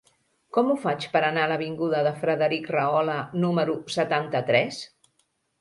Com ho faig per anar a l'avinguda de Frederic Rahola número setanta-tres?